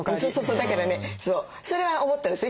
だからねそうそれは思ったんですよ